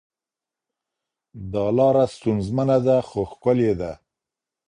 دا لاره ستونزمنه ده خو ښکلې ده.